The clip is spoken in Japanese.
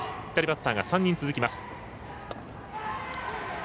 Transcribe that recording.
左バッターが３人続きます。